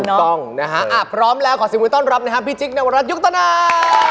ต้องนะฮะพร้อมแล้วขอสิ่งมือต้อนรับนะครับพี่จิ๊กนวรัฐยุคตนา